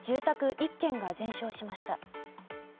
１軒が全焼しました。